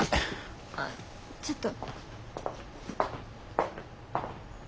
ああちょっと。